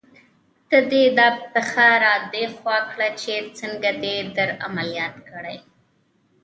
ته دې دا پښه را دې خوا کړه چې څنګه دې در عملیات کړې.